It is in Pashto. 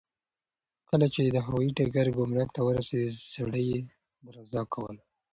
کله چې دی د هوايي ډګر ګمرک ته ورسېد، زړه یې درزا کوله.